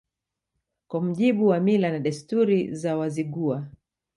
Kwa mujibu wa mila na desturi za Wazigua